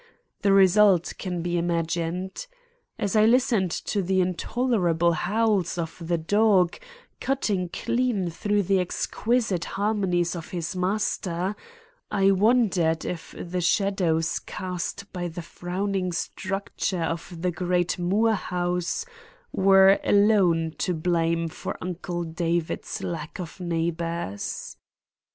The result can be imagined. As I listened to the intolerable howls of the dog cutting clean through the exquisite harmonies of his master, I wondered if the shadows cast by the frowning structure of the great Moore house were alone to blame for Uncle David's lack of neighbors.